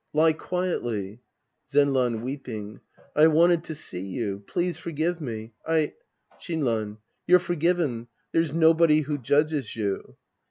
Lie quietly. Zenran {weeping). I wanted to see you. Please forgive me. I — Shinran. You're forgiven. There's nobody who judges you.